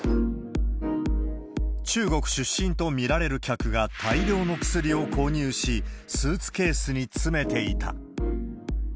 中国出身と見られる客が大量の薬を購入し、スーツケースに詰めていた。